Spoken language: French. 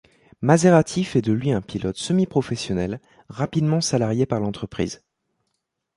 Maserati fait de lui un pilote semi-professionnel, rapidement salarié par l'entreprise.